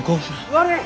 悪い！